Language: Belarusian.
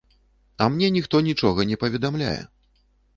А мне ніхто нічога не паведамляе.